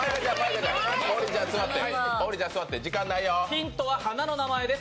ヒントは花の名前です。